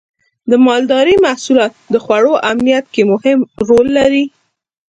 د مالدارۍ محصولات د خوړو امنیت کې مهم رول لري.